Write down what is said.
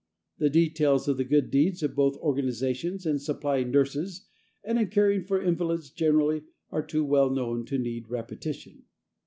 The details of the good deeds of both organizations in supplying nurses and in caring for invalids generally are too well known to need repetition.